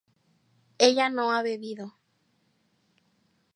ella no ha bebido